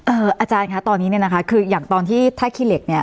อาจารย์คะตอนนี้เนี่ยนะคะคืออย่างตอนที่ท่าขี้เหล็กเนี่ย